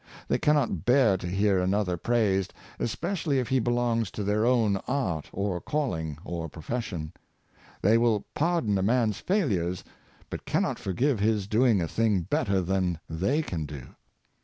They cannot bear to hear another praised, es pecially if he belong to their own art, or calling, or pro fession. They will pardon a man's failures, but cannot forgive his doing a thing better than they can do.